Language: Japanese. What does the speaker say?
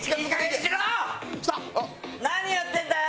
何やってんだよ！